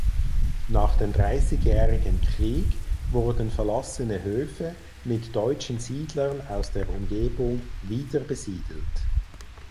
Nach dem Dreißigjährigen Krieg wurden verlassene Höfe mit deutschen Siedlern aus der Umgebung wiederbesiedelt.